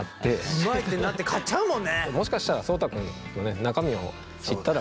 うまいってなって買っちゃうもんね！